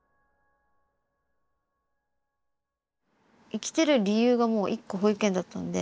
生きてる理由がもう一個保育園だったので。